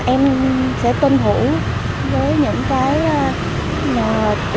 em sẽ tin thủ với những cái